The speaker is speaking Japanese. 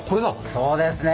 そうですね！